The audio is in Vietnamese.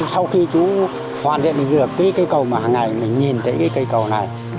sau khi chú hoàn thiện được cái cây cầu mà hằng ngày mình nhìn thấy cái cây cầu này